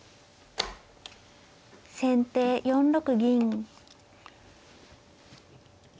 先手４六銀。